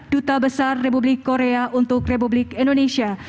duta besar republik korea untuk republik indonesia